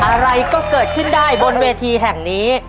อะไรก็เกิดขึ้นได้บนเวทีแห่งนี้